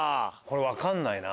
分かんないな。